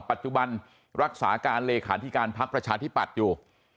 ปัจจุบันรักษาการลถพประชานที่ปัดอยู่